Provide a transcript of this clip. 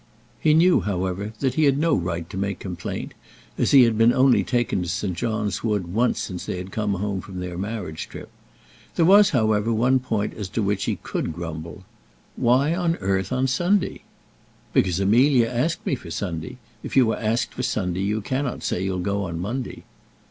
He knew, however, that he had no right to make complaint, as he had been only taken to St. John's Wood once since they had come home from their marriage trip. There was, however, one point as to which he could grumble. "Why, on earth, on Sunday?" [ILLUSTRATION: "Why, on earth, on Sunday?"] "Because Amelia asked me for Sunday. If you are asked for Sunday, you cannot say you'll go on Monday."